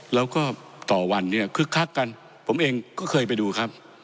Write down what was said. แล้วก็ต่อวันเนี่ยคึกคักกันผมเองก็เคยไปดูครับ